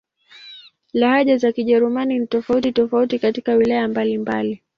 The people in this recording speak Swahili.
Lahaja za Kijerumani ni tofauti-tofauti katika wilaya mbalimbali.